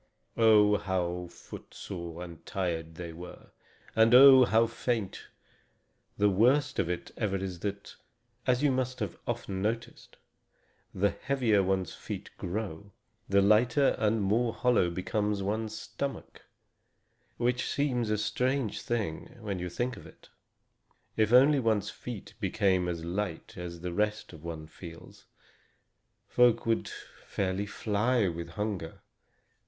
Oh, how footsore and tired they were! And oh, how faint! The worst of it ever is that as you must often have noticed the heavier one's feet grow, the lighter and more hollow becomes one's stomach; which seems a strange thing, when you think of it. If only one's feet became as light as the rest of one feels, folk could fairly fly with hunger.